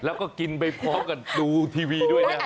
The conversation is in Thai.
แล้วก็กินไปพร้อมกับดูทีวีด้วยนะ